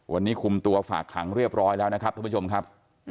วันนี้คุมตัวฝากขังเรียบร้อยแล้วนะครับท่านผู้ชมครับ